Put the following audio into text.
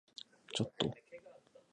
ちょっと？